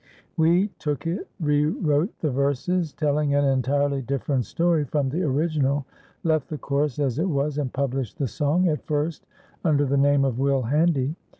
We took it, re wrote the verses, telling an entirely different story from the original, left the chorus as it was, and published the song, at first under the name of "Will Handy."